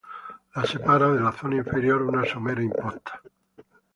La separa de la zona inferior una somera imposta.